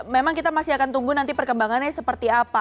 memang kita masih akan tunggu nanti perkembangannya seperti apa